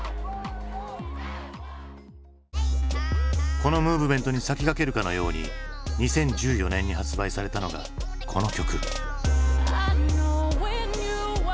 このムーブメントに先駆けるかのように２０１４年に発売されたのがこの曲。